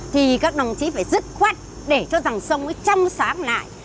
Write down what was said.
thì các đồng chí phải dứt khoát để cho dòng sông mới trong sáng lại